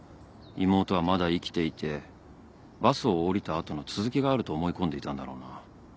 妹はまだ生きていてバスを降りた後の続きがあると思い込んでいたんだろうな。